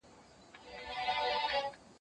چي یوازي یې ایستله کفنونه